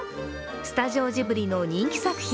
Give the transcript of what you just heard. スタジオジブリの人気作品